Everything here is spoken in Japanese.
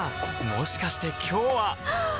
もしかして今日ははっ！